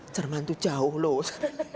jerman tuh jauh loh